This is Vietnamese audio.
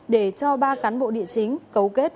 để cho ba cán bộ địa chính cấu kết